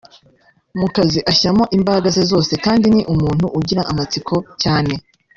mu kazi ashyiramo imbaraga ze zose kandi ni umuntu ugira amatsiko cyane